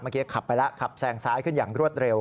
ขับไปแล้วขับแซงซ้ายขึ้นอย่างรวดเร็ว